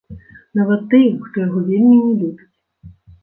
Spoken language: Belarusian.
Нават тыя, хто яго вельмі не любіць.